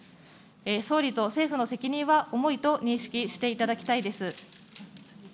総理と政府の責任は重いと認識していただきたいです。